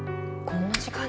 こんな時間に？